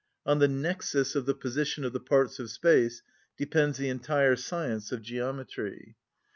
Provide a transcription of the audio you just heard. On the nexus of the position of the parts of space depends the entire science of geometry.